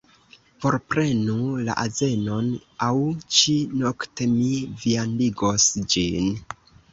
Forprenu la azenon, aŭ ĉi-nokte mi viandigos ĝin.